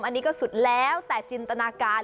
อันนี้ก็สุดแล้วแต่จินตนาการ